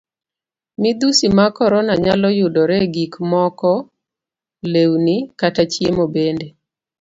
Midhusi mag korona nyalo yudore e gik moko lewni, kata chiemo bende.